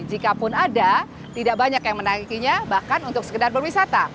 jikapun ada tidak banyak yang menaikinya bahkan untuk sekedar berwisata